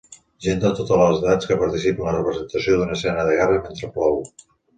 Gent de totes les edats que participa en la representació d'una escena de guerra mentre plou.